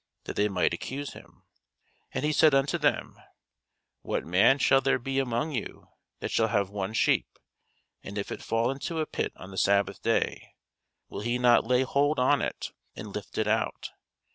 that they might accuse him. And he said unto them, What man shall there be among you, that shall have one sheep, and if it fall into a pit on the sabbath day, will he not lay hold on it, and lift it out?